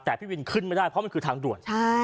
แต่พี่วินขึ้นไม่ได้เพราะมันคือทางด่วน